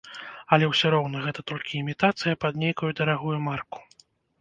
Але ўсё роўна гэта толькі імітацыя пад нейкую дарагую марку.